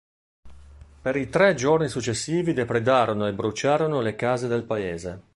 Per i tre giorni successivi depredarono e bruciarono le case del paese.